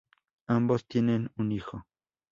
Ambos tienen un hijo.